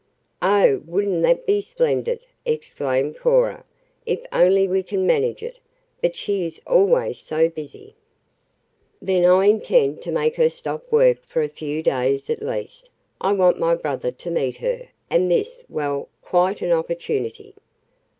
"Oh, wouldn't that be splendid!" exclaimed Cora. "If only we can manage it. But she is always so busy " "Then I intend to make her stop work for a few days at least. I want my brother to meet her, and this well, quite an opportunity."